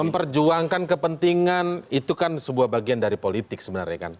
memperjuangkan kepentingan itu kan sebuah bagian dari politik sebenarnya kan